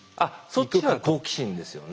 そっちは好奇心ですよね？